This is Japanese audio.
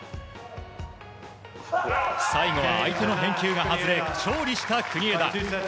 最後は、相手の返球が外れ勝利した国枝。